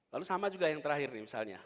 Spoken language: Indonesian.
lalu sama juga yang terakhir nih misalnya